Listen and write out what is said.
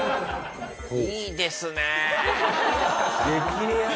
いいですね。